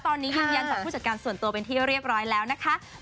ตอนนี้ยืนยันจากผู้จัดการส่วนตัวเป็นที่เรียบร้อยแล้วนะคะ